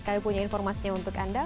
kami punya informasinya untuk anda